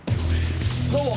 どうも。